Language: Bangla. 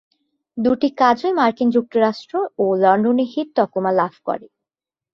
দুটি কাজই মার্কিন যুক্তরাষ্ট্র ও লন্ডনে হিট তকমা লাভ করে।